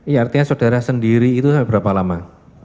iya artinya saudara sendiri itu berapa lama